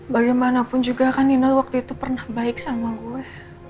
bagaimanapun juga kan nina waktu itu pernah baik sama gue